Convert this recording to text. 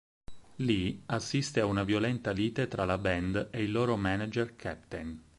Lì assiste a una violenta lite tra la band e il loro manager Captain.